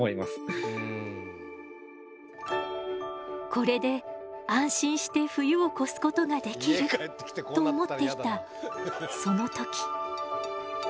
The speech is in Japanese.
「これで安心して冬を越すことができる」と思っていたその時。